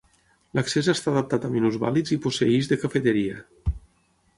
L'accés està adaptat a minusvàlids i posseeix de cafeteria.